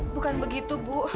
bukan begitu bu